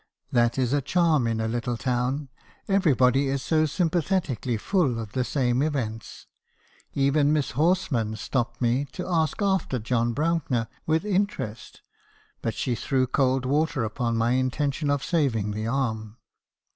That is a charm in a little town, everybody is so sym pathetically full of the same events. Even Miss Horsman stop ped me to ask after John Brouncker with interest; but she threw cold water upon my intention of saving the arm.